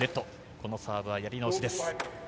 このサーブはやり直しです。